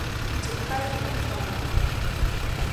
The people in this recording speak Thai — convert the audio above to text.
จุดไต้ตำตอ